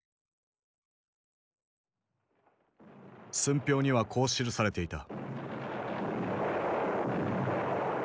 寸評にはこう記されていた。